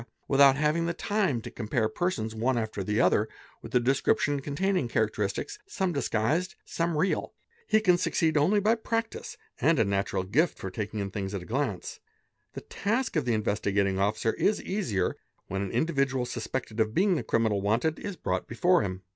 without having the time to compare persons, one after the other, with a description containing characteristics, | some disguised, some real. He can succeed only by practice and a_ natural gift for taking in things at a glance. The task of the Investi gating Officer is easier when an individual suspected of being the criminal "wanted" is brought before him.